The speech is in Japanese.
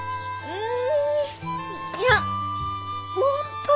うん。